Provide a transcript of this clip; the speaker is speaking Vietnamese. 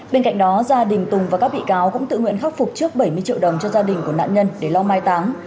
bên cạnh đó gia đình tùng và các bị cáo cũng tự nguyện khắc phục trước bảy mươi triệu đồng cho gia đình của nạn nhân để lo mai táng